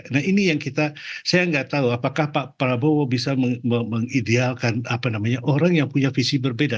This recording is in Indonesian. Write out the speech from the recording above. nah ini yang kita saya nggak tahu apakah pak prabowo bisa mengidealkan orang yang punya visi berbeda